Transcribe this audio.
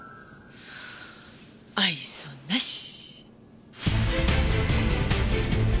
愛想なし！